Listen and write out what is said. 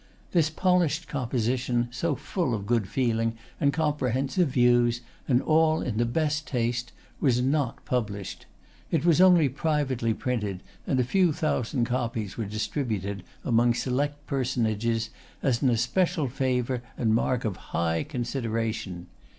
This polished composition, so full of good feeling and comprehensive views, and all in the best taste, was not published. It was only privately printed, and a few thousand copies were distributed among select personages as an especial favour and mark of high consideration.